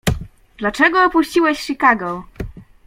"Dlaczego opuściłeś Chicago?"